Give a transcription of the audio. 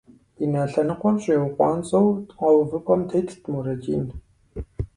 И нэ лъэныкъуэр щӏиукъуанцӏэу къэувыӏэпӏэм тетт Мурадин.